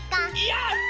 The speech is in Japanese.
やった！